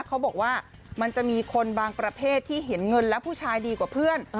เขาบอกว่ามันจะมีคนบางประเภทที่เห็นเงินและผู้ชายดีกว่าเพื่อน